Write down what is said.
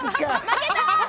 負けた！